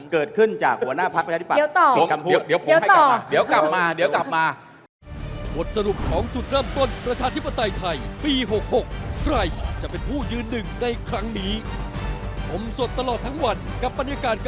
เกิดขึ้นจากหัวหน้าพักประชาธิปัตย์